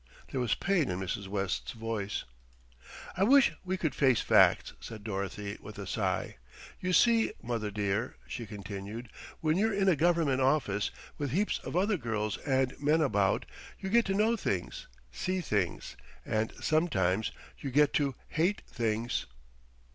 There was pain in Mrs. West's voice. "I wish we could face facts," said Dorothy with a sigh. "You see, mother dear," she continued, "when you're in a government office, with heaps of other girls and men about, you get to know things, see things, and sometimes you get to hate things."